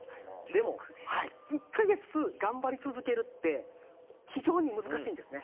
でも、１か月頑張り続けるって非常に難しいんですよね。